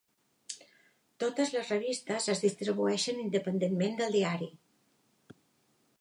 Totes les revistes es distribueixen independentment del diari.